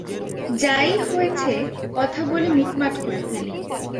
যা-ই হয়েছে কথা বলে মিটমাট করে ফেলি।